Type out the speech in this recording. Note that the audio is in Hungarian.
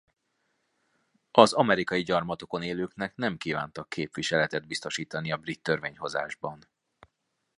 Az amerikai gyarmatokon élőknek nem kívántak képviseletet biztosítani a brit törvényhozásban.